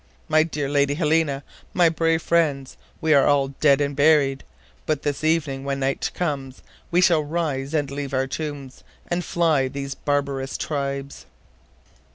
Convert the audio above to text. My dear Lady Helena, my brave friends, we are all dead and buried! But this evening when night comes, we shall rise and leave our tomb, and fly these barbarous tribes!"